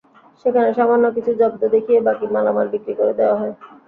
সেখানে সামান্য কিছু জব্দ দেখিয়ে বাকি মালামাল বিক্রি করে দেওয়া হয়।